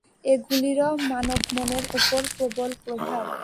এইগুলিরও মানবমনের উপর প্রবল প্রভাব।